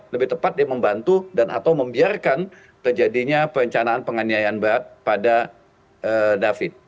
lebih tepat dia membantu dan atau membiarkan terjadinya perencanaan penganiayaan berat pada david